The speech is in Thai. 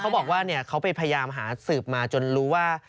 เขาบอกว่าเขาไปพยายามหาสืบมาจนรู้ว่า